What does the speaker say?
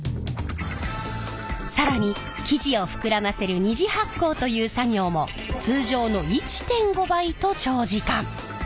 更に生地を膨らませる二次発酵という作業も通常の１．５倍と長時間。